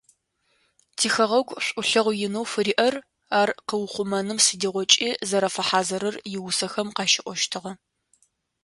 Тихэгъэгу шӏулъэгъу инэу фыриӏэр, ар къыухъумэным сыдигъокӏи зэрэфэхьазырыр иусэхэм къащиӏощтыгъэ.